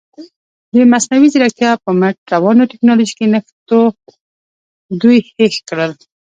د مصنوعي زیرکتیا په مټ روانو تکنالوژیکي نښتو دوی هېښ کړل.